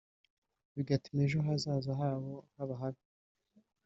bigatuma ejo hazaza habo haba habi